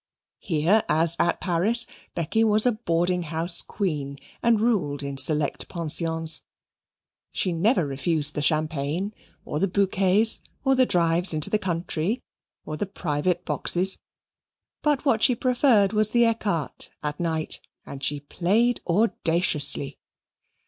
Here, as at Paris, Becky was a boarding house queen, and ruled in select pensions. She never refused the champagne, or the bouquets, or the drives into the country, or the private boxes; but what she preferred was the ecarte at night, and she played audaciously.